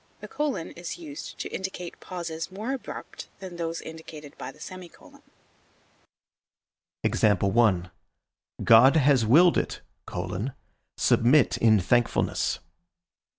The colon is used to indicate pauses more abrupt than those indicated by the semicolon. God has willed it: submit in thankfulness.